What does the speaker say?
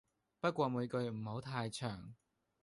不過每句唔好太長